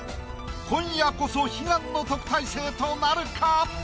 今夜こそ悲願の特待生となるか？